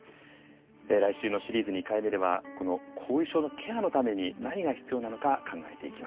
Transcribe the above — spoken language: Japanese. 来週のシリーズ２回目ではこの後遺症のケアのために何が必要なのか考えていきます。